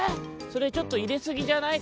それちょっといれすぎじゃない？」。